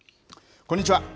こんにちは。